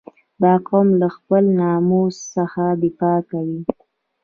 • دا قوم له خپل ناموس څخه دفاع کوي.